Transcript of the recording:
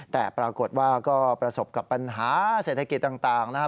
แต่ปรากฏว่าก็ประสบกับปัญหาเศรษฐกิจต่างนะครับ